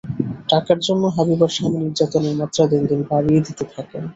টাকার জন্য হাবিবার স্বামী নির্যাতনের মাত্রা দিন দিন বাড়িয়ে দিতে থাকেন।